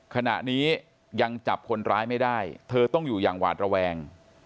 ขณะนี้ยังจับคนร้ายไม่ได้เธอต้องอยู่อย่างหวาดระแวง